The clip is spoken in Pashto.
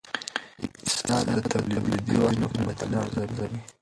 اقتصاد د تولیدي واحدونو فعالیتونه ارزوي.